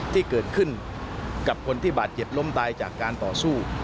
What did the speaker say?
ที่เกิดขึ้นกับคนที่บาดเจ็บล้มตายจากการต่อสู้